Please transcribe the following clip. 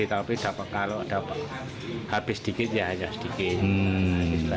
tapi kalau habis sedikit ya hanya sedikit